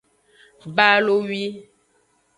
Balowi.